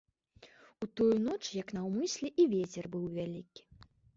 У тую ноч як наўмысля і вецер быў вялікі.